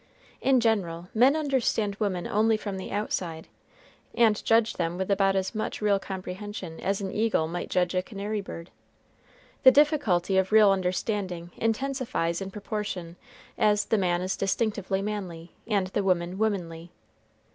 In general, men understand women only from the outside, and judge them with about as much real comprehension as an eagle might judge a canary bird. The difficulty of real understanding intensifies in proportion as the man is distinctively manly, and the woman womanly.